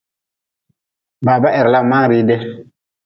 Baba heri la ma-n riidi.